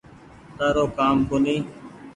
تآرو ڪآم ڪونيٚ